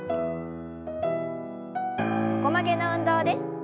横曲げの運動です。